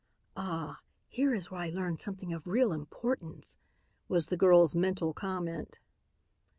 "Ah! Here is where I learn something of real importance," was the girl's mental comment.